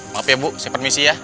maaf ya bu saya permisi ya